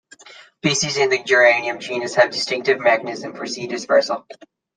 Species in the "Geranium" genus have a distinctive mechanism for seed dispersal.